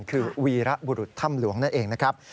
คือวีระบุรุษถ้ำหลวงนั่นเองนะครับ